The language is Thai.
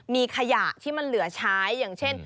มีขยะที่มันเหลือใช้อย่างเช่น